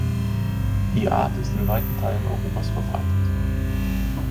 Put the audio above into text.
Die Art ist in weiten Teilen Europas verbreitet.